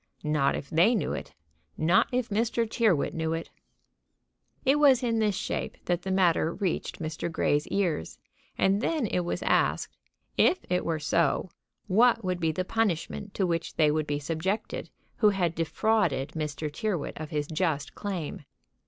Not if they knew it! Not if Mr. Tyrrwhit knew it! It was in this shape that the matter reached Mr. Grey's ears; and then it was asked, if it were so, what would be the punishment to which they would be subjected who had defrauded Mr. Tyrrwhit of his just claim.